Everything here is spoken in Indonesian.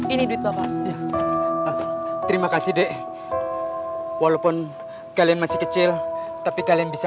ini duit bapak terima kasih deh walaupun kalian masih kecil tapi kalian bisa